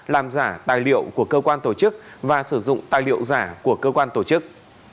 làm giả tài liệu của cơ quan tổ chức và sử dụng tài liệu giả của cơ quan tổ chức